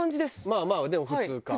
まあまあでも普通か。